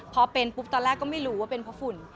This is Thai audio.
พอเป็นปุ๊บตอนแรกก็ไม่รู้ว่าเป็นเพราะฝุ่น